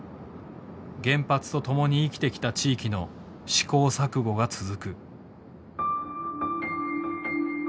原発と共に生きてきた地域の試行錯誤が続く。